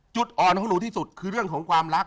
จุดอ่อนของหนูที่สุดคือเรื่องของความรัก